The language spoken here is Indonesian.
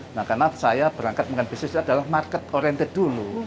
nah karena saya berangkat menggunakan bisnis adalah market oriented dulu